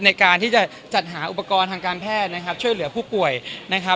ในการที่จะจัดหาอุปกรณ์ทางการแพทย์นะครับช่วยเหลือผู้ป่วยนะครับ